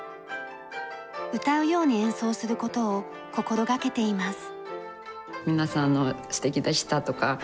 歌うように演奏する事を心がけています。